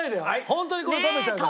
ホントにこれ食べちゃうから。